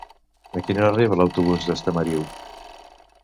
A quina hora arriba l'autobús d'Estamariu?